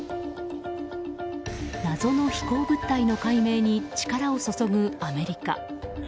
謎の飛行物体の解明に力を注ぐアメリカ。